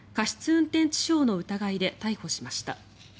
運転致傷の疑いで逮捕しました。